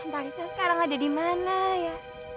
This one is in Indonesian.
mentalitas sekarang ada dimana ya